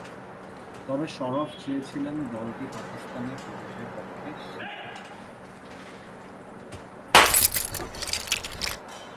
তবে সরফ চেয়েছিলেন দলটি পাকিস্তানে প্রবেশের পক্ষে সিদ্ধান্ত নেয়।